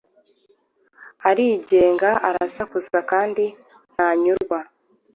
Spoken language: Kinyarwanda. Arigenga, arasakuza kandi ntanyurwa.